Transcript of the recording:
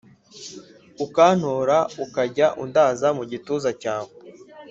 ukantora ukajya undaza mugituza cyawe